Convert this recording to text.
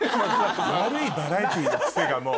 悪いバラエティーの癖がもう。